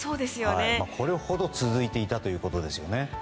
これほど続いていたということですよね。